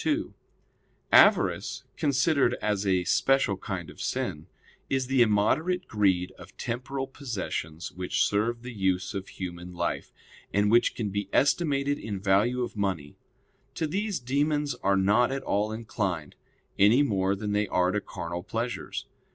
2: Avarice, considered as a special kind of sin, is the immoderate greed of temporal possessions which serve the use of human life, and which can be estimated in value of money; to these demons are not at all inclined, any more than they are to carnal pleasures.